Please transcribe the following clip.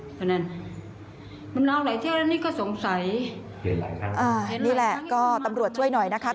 เพราะฉะนั้นมันน้องไหนเที่ยวแล้วนี่ก็สงสัยอ่านี่แหละก็ตำรวจช่วยหน่อยนะคะ